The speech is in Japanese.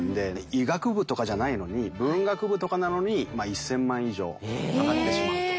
医学部とかじゃないのに文学部とかなのに１，０００万以上かかってしまうと。